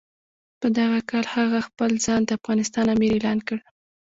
په دغه کال هغه خپل ځان د افغانستان امیر اعلان کړ.